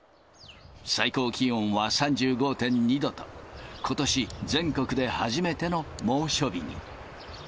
最高気温は３５．２度と、ことし全国で初めての猛暑日に。